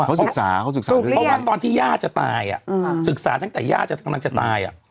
เขาสึกษาตอนที่ย่าจะตายสึกษาตั้งแต่ย่ากำลังจะตาย